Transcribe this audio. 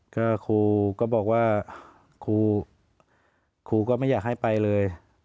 ก็ครูก็บอกว่าครูครูก็ไม่อยากให้ไปเลย